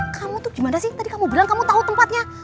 kamu tuh gimana sih tadi kamu bilang kamu tahu tempatnya